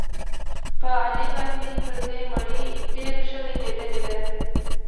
په علي باندې پردۍ مړۍ ډېره ښه لګېدلې ده.